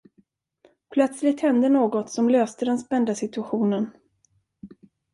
Plötsligt hände något, som löste den spända situationen.